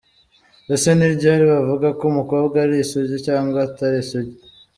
Ese ni ryari bavuga ko umukobwa ari isugi cyangwa atari isugi